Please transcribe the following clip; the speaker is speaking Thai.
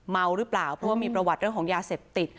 เมาหรือเปล่าเพราะว่ามีประวัติเรื่องของยาเสพติด